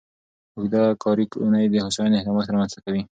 اوږده کاري اونۍ د هوساینې کمښت رامنځته کوي.